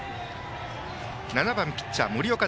７番ピッチャー森岡